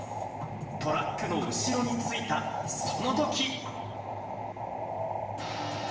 トラックの後ろについた、そのとき。